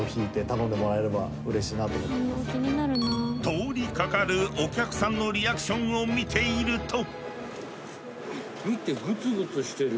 通りかかるお客さんのリアクションを見ていると。